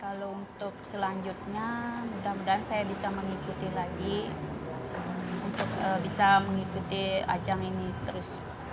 kalau untuk selanjutnya mudah mudahan saya bisa mengikuti lagi untuk bisa mengikuti ajang ini terus